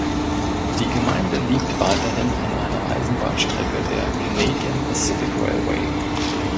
Die Gemeinde liegt weiterhin an einer Eisenbahnstrecke der Canadian Pacific Railway.